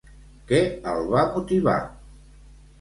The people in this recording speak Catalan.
Què el va motivar?